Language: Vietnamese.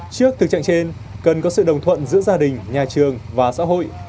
trước thực trạng trên cần có sự đồng thuận giữa gia đình nhà trường và xã hội